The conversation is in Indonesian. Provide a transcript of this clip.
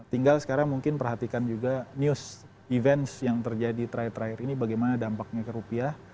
tinggal sekarang mungkin perhatikan juga news events yang terjadi terakhir terakhir ini bagaimana dampaknya ke rupiah